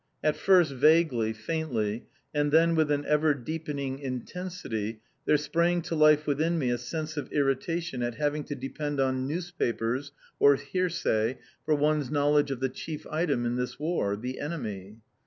At first vaguely, faintly, and then with an ever deepening intensity, there sprang to life within me a sense of irritation at having to depend on newspapers, or hearsay, for one's knowledge of the chief item in this War, the Enemy.